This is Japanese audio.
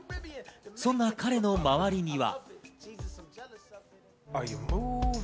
そんな彼の周りには。